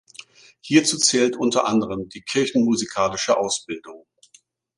Hierzu zählt unter anderem die kirchenmusikalische Ausbildung.